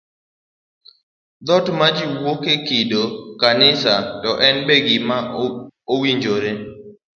Dhoot ma jiwuoke, kido, kanisa, to be en gima owinjore?